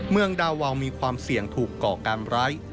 เมืองดาวาวมีความเสี่ยงถูกก่อการร้าย